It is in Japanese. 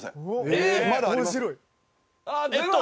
えっと